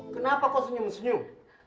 kenapa kok senyum senyum